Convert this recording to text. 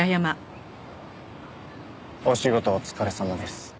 お仕事お疲れさまです。